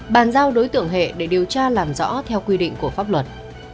bàn giao đối tượng hệ để điều tra làm rõ theo quy định của pháp luật